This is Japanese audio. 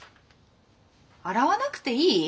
洗わなくていい？